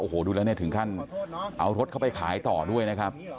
โอ้โหดูแล้วเนี่ยถึงขั้นเอารถเข้าไปขายต่อด้วยนะครับ